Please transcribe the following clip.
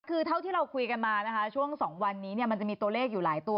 คือเท่าที่เราคุยกันมานะคะช่วง๒วันนี้มันจะมีตัวเลขอยู่หลายตัว